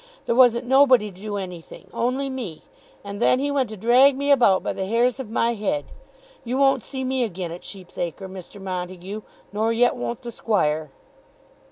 There wasn't nobody to do anything, only me. And then he went to drag me about by the hairs of my head. You won't see me again at Sheep's Acre, Mr. Montague; nor yet won't the Squire."